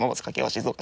静岡